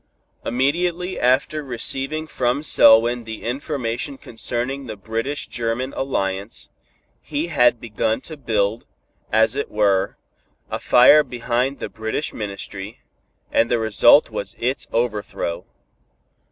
Immediately after receiving from Selwyn the information concerning the British German alliance, he had begun to build, as it were, a fire behind the British Ministry, and the result was its overthrow.